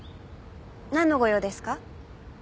なんのご用ですか？